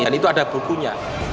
dan itu ada bukunya